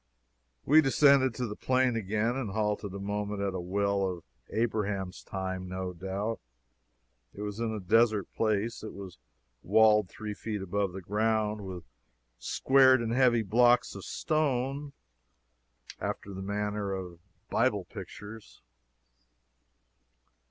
We descended to the Plain again, and halted a moment at a well of Abraham's time, no doubt. It was in a desert place. It was walled three feet above ground with squared and heavy blocks of stone, after the manner of Bible pictures.